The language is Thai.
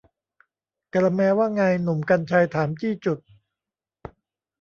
กาละแมร์ ว่าไง หนุ่ม กรรชัย ถามจี้จุด